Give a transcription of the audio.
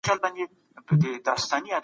مثبت فکر آرامتیا نه ځنډوي.